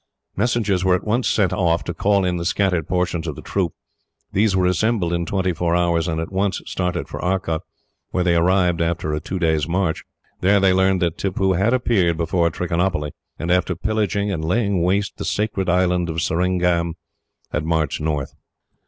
Messengers were at once sent off, to call in the scattered portions of the troop. These were assembled in twenty four hours, and at once started for Arcot, where they arrived after a two days' march. They there learned that Tippoo had appeared before Trichinopoly, and after pillaging and laying waste the sacred island of Seringham, had marched north.